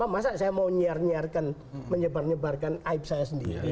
masa saya mau menyebarkan aib saya sendiri